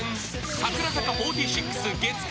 櫻坂４６、月９